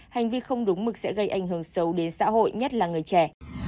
hành vi không đúng mực sẽ gây ảnh hưởng xấu đến xã hội nhất là người trẻ